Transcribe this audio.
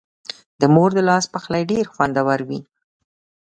د مور د لاس پخلی ډېر خوندور وي.